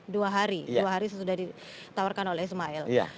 dua hari dua hari sesudah ditawarkan oleh ismail